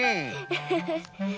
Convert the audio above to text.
フフフ。